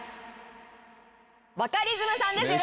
バカリズムさんです。